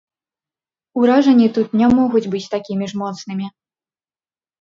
Уражанні тут не могуць быць такімі ж моцнымі.